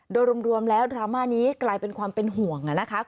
โดยรวมแล้วดราม่านี้กลายเป็นความเป็นห่วงนะคะ